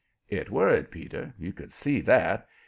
It worried Peter you could see that.